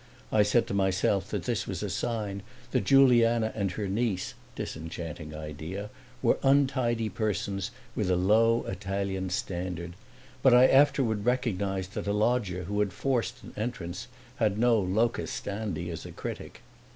I said to myself that this was a sign that Juliana and her niece (disenchanting idea!) were untidy persons, with a low Italian standard; but I afterward recognized that a lodger who had forced an entrance had no locus standi as a critic.